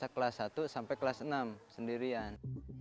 kelas satu sampai kelas enam sendirian